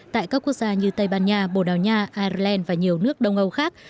tại các quốc gia như tây ban nha bồ đào nha ireland và nhiều nước đông âu khác